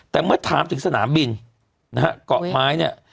แต่เมื่อถามถึงสนามบินนะฮะเกาะไม้เนี่ย